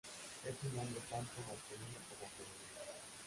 Es un nombre tanto masculino como femenino.